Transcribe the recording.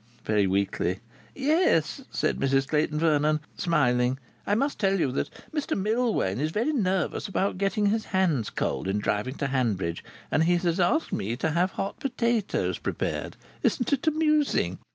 very weakly. "Yes," said Mrs Clayton Vernon, smiling. "I must tell you that Mr Millwain is very nervous about getting his hands cold in driving to Hanbridge. And he has asked me to have hot potatoes prepared. Isn't it amusing?